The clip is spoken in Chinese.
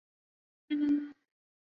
大陆最强的狩魔战士团。